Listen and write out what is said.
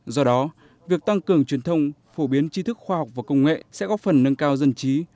do đó việc tăng cường truyền thông phổ biến chi thức khoa học và công nghệ sẽ góp phần nâng cao dân trí